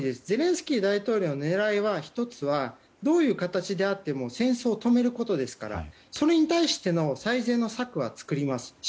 ゼレンスキー大統領の狙いは１つはどういう形であっても戦争を止めることですからそれに対しての最善の策は作ります。